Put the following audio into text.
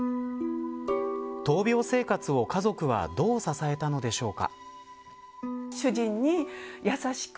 闘病生活を家族はどう支えたのでしょうか。